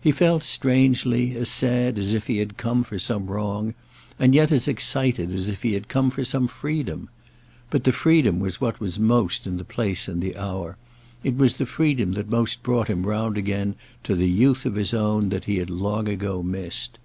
He felt, strangely, as sad as if he had come for some wrong, and yet as excited as if he had come for some freedom. But the freedom was what was most in the place and the hour, it was the freedom that most brought him round again to the youth of his own that he had long ago missed.